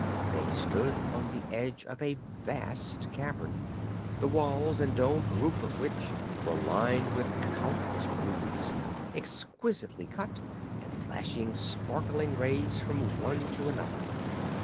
They stood on the edge of a vast cavern, the walls and domed roof of which were lined with countless rubies, exquisitely cut and flashing sparkling rays from one to another.